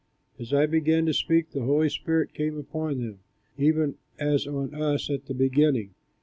As I began to speak, the Holy Spirit came upon them, even as on us at the beginning.